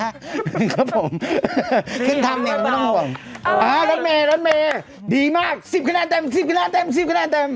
ครับผมขึ้นทำเองไม่ต้องห่วงอ่ารถเมย์รถเมย์ดีมากสิบคะแนนเต็ม๑๐คะแนนเต็มสิบคะแนนเต็ม